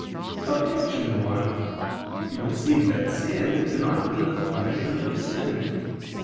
Objection 1: It would seem that sin cannot be the punishment of sin.